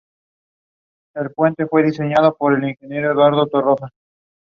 The prologue was written by Arthur Murphy.